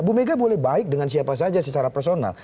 bu mega boleh baik dengan siapa saja secara personal